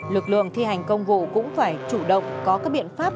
lực lượng thi hành công vụ cũng phải chủ động có các biện pháp